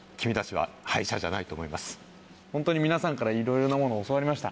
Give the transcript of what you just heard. ホントに皆さんからいろいろなものを教わりました。